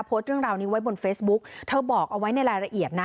โพสต์เรื่องราวนี้ไว้บนเฟซบุ๊กเธอบอกเอาไว้ในรายละเอียดนะ